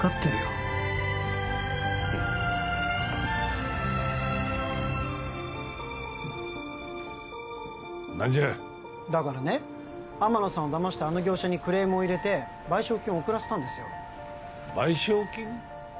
うん何じゃだからね天野さんを騙したあの業者にクレームを入れて賠償金送らせたんですよ賠償金？